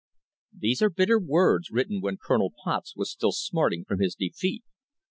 These are bitter words written when Colonel Potts was still smarting from his defeat.